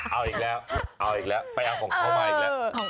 เอาอีกละเอาอีกละไปเอาของเขามาอีกละ